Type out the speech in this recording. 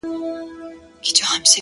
o زما سره اوس لا هم د هغي بېوفا ياري ده،